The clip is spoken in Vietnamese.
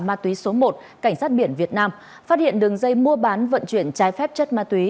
ma túy số một cảnh sát biển việt nam phát hiện đường dây mua bán vận chuyển trái phép chất ma túy